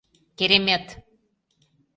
Керемет!..